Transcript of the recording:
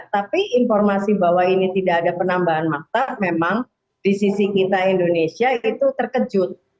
tapi informasi bahwa ini tidak ada penambahan maktab memang di sisi kita indonesia itu terkejut